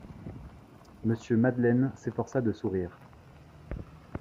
Monsieur Madeleine s’efforça de sourire.